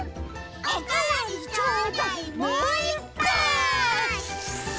おかわりちょうだいもういっぱい！